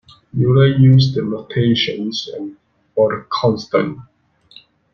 Euler used the notations and for the constant.